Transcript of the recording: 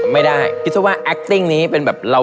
ไม่ถามเขาไม่ถามเรา